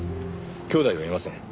兄弟はいません。